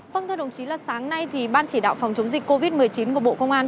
vâng thưa đồng chí là sáng nay thì ban chỉ đạo phòng chống dịch covid một mươi chín của bộ công an